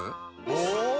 お！